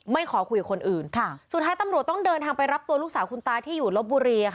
ขอคุยกับคนอื่นสุดท้ายตำรวจต้องเดินทางไปรับตัวลูกสาวคุณตาที่อยู่ลบบุรี